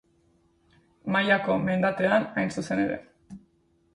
Mailako mendatean hain zuzen ere.